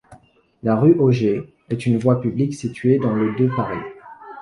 La rue Auger est une voie publique située dans le de Paris.